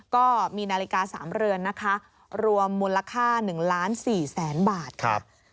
ก็มีนาฬิกา๓เรือนนะคะรวมมูลค่า๑ล้าน๔แสนบาทค่ะ